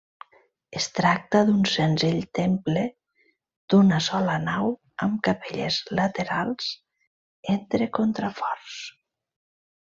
Es tracta d'un senzill temple d'una sola nau amb capelles laterals entre contraforts.